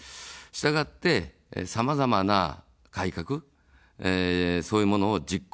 したがって、さまざまな改革、そういうものを実行できる。